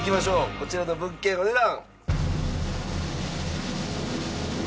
こちらの物件お値段。